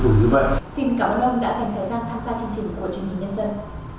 chương trình của chương trình nhân dân